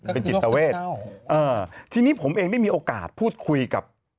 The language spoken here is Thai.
เป็นจิตเวททีนี้ผมเองได้มีโอกาสพูดคุยกับ